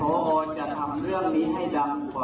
ต้องขอโทษกับทุกคนอีกครั้งหนึ่ง